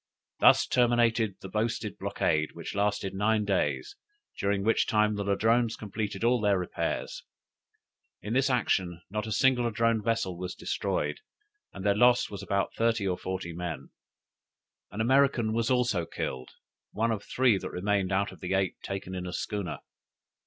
Thus terminated the boasted blockade, which lasted nine days, during which time the Ladrones completed all their repairs. In this action not a single Ladrone vessel was destroyed, and their loss was about thirty or forty men. An American was also killed, one of three that remained out of eight taken in a schooner.